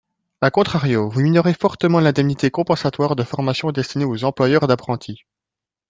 A contrario, vous minorez fortement l’indemnité compensatoire de formation destinée aux employeurs d’apprentis.